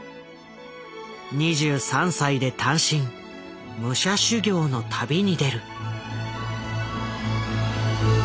２３歳で単身武者修行の旅に出る。